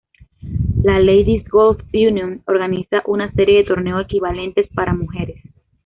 La Ladies Golf Union organiza una serie de torneos equivalentes para mujeres.